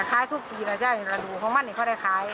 แต่ก็คิดว่าช่วงระดูกของมันเนี่ยเขาได้ได้คล้าย